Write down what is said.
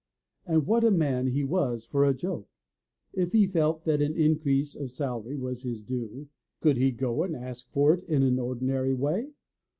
And what a man he was for a joke! If he felt that an increase of salary was his due, could he go and ask for it in the ordinary way?